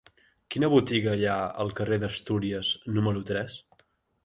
Quina botiga hi ha al carrer d'Astúries número tres?